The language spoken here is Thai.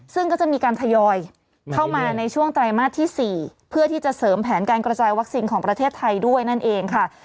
ซึ่งก็จะมีการทยอยเข้ามาในช่วงไตรมาสที่๔เพื่อที่จะเสริมแผนการกระจายวัคซีนของประเทศไทยด้วยนั่นเองค่ะ